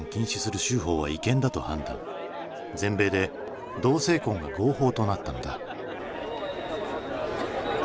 全米で同性婚が合法となったのだ。